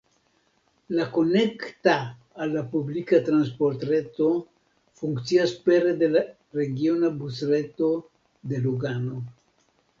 La konekta al la publika transportreto funkcias pere de la regiona busreto de Lugano.